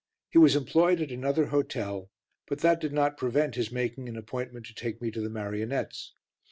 He was employed at another hotel, but that did not prevent his making an appointment to take me to the marionettes.